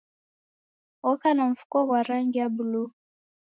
Oka na mfuko ghwa rangi ya buluu.